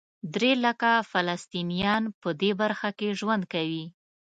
درې لکه فلسطینیان په دې برخه کې ژوند کوي.